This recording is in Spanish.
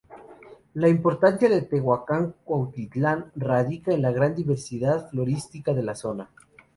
La importancia de Tehuacán-Cuicatlán radica en la gran diversidad florística de la zona.